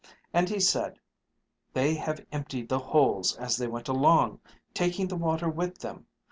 And he said: "They have emptied the holes as they went along, taking the water with them.